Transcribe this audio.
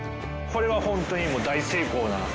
これは本当に大成功な。